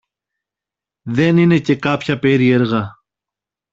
Δεν είναι και κάποια περίεργα